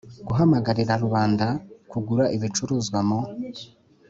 guhamagarira rubanda kugura ibicuruzwa mu